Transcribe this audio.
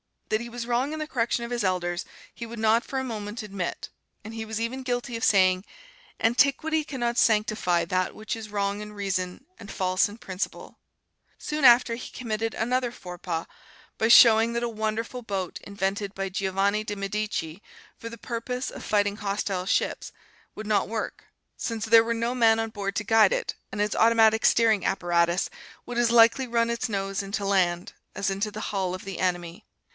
That he was wrong in the correction of his elders, he would not for a moment admit; and he was even guilty of saying, "Antiquity can not sanctify that which is wrong in reason and false in principle." Soon after he committed another forepaugh by showing that a wonderful boat invented by Giovanni de Medici for the purpose of fighting hostile ships, would not work, since there were no men on board to guide it, and its automatic steering apparatus would as likely run its nose into land, as into the hull of the enemy.